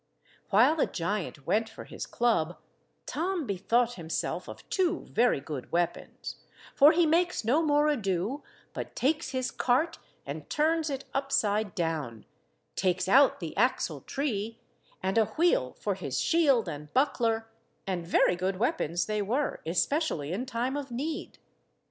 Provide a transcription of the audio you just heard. While the giant went for his club, Tom bethought himself of two very good weapons, for he makes no more ado but takes his cart and turns it upside down, takes out the axle–tree, and a wheel for his shield and buckler, and very good weapons they were, especially in time of need.